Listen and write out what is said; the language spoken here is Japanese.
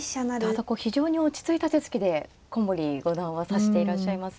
ただこう非常に落ち着いた手つきで古森五段は指していらっしゃいますね。